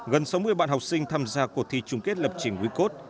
gần sáu mươi bạn học sinh tham gia cuộc thi chung kết lập trình wecode